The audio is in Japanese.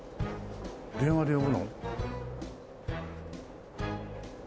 電話で呼ぶの？